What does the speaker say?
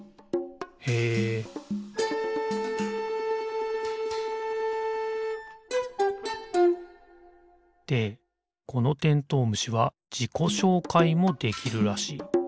へえでこのてんとう虫はじこしょうかいもできるらしい。